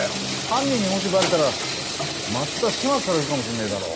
犯人にもしバレたら松田始末されるかもしれねえだろ。